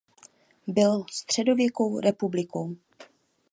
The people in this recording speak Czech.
Bylo středověkou republikou.